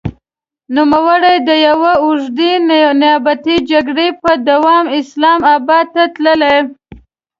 نوموړی د يوې اوږدې نيابتي جګړې په دوام اسلام اباد ته تللی.